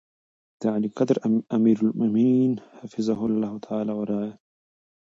د عاليقدر اميرالمؤمنين حفظه الله تعالی